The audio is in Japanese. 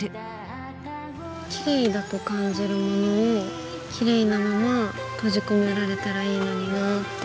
きれいだと感じるものをきれいなまま閉じ込められたらいいのになぁって。